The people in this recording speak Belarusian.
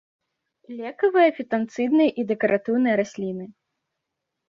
Лекавыя, фітанцыдныя і дэкаратыўныя расліны.